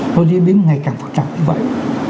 nó diễn biến ngày càng phức tạp như vậy